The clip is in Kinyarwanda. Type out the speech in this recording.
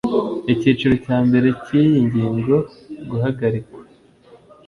ikiciro cyambere cy iyi ngingo guhagarikwa